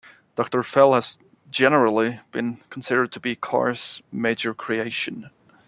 Doctor Fell has generally been considered to be Carr's major creation.